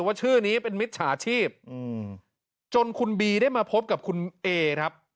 ว่าชื่อนี้เป็นมิจฉาชีพจนคุณบีได้มาพบกับคุณเอครับ